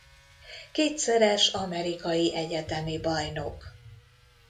Kétszeres amerikai egyetemi bajnok.